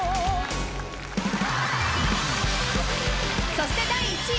［そして第１位。